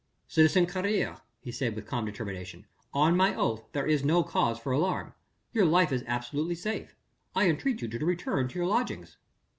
"Citizen Carrier," he said with calm determination, "on my oath there is no cause for alarm. Your life is absolutely safe.... I entreat you to return to your lodgings...."